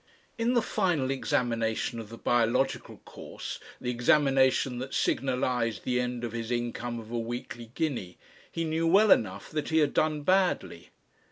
In the final examination of the biological course, the examination that signalised the end of his income of a weekly guinea, he knew well enough that he had done badly.